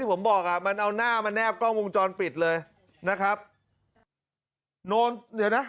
ผมบอกอ่ะมันเอาหน้ามาแนบกล้องวงจรปิดเลยนะครับโน้นเดี๋ยวนะ